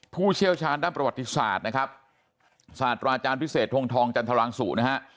ผู้เชี่ยวชาญด้านประวัติศาสตร์นะครับศาสตราอาจารย์พิเศษทงทองจันทรังสุนะฮะ